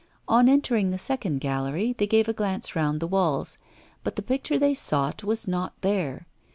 On entering the second gallery they gave a glance round the walls, but the picture they sought was not there.